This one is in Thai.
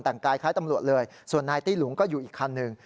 แต่งกายคล้ายตำรวจเลยส่วนนายตี้หลุงก็อยู่อีกคันหนึ่ง